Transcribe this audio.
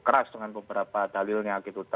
keras dengan beberapa dalilnya gitu